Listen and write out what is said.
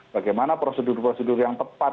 bagaimana prosedur prosedur yang tepat